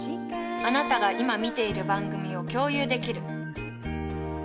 あなたが今見ている番組を共有できる。